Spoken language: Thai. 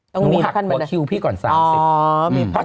หนูหักหัวคิวพี่ก่อน๓๐